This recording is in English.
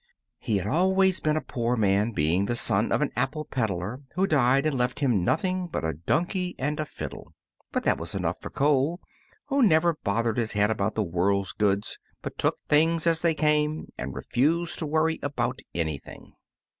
He had always been a poor man, being the son of an apple peddler, who died and left him nothing but a donkey and a fiddle. But that was enough for Cole, who never bothered his head about the world's goods, but took things as they came and refused to worry about anything.